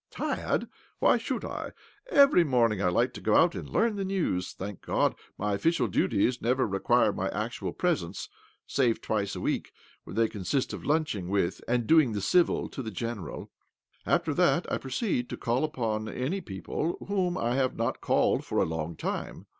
" 28 OBLOMOV " Tired ? Why should I ? Every morning I hke to go out and learn the news (thank God, my official duties never require my actual presence, save twice a week, when they consist of lunching with and doin'g the civil to the General ■)• After that I pro ceed to call upon any people upon whom I have not called for a longi while.